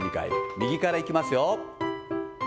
右からいきますよ。